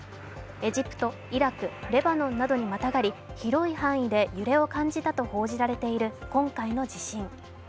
エジプト、イラク、レバノンなどにまたがり広い範囲で揺れを感じたと報じられている今回の地震。